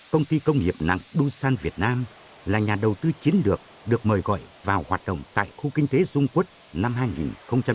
công ty công nghiệp nặng doosan việt nam là nhà đầu tư chiến lược được mời gọi vào hoạt động tại khu kinh tế dung quất năm hai nghìn sáu